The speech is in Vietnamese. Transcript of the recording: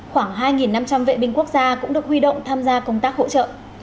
khoảng hai năm trăm linh vệ binh quốc gia cũng được huy động tham gia công tác hỗ trợ